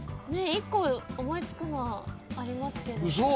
一個思い付くのはありますけど。